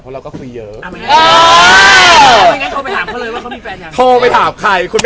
เหรออันนี้ก็